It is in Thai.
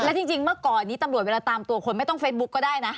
แล้วจริงเมื่อก่อนนี้ตำรวจเวลาตามตัวคนไม่ต้องเฟซบุ๊กก็ได้นะ